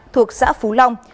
thuộc xã phú long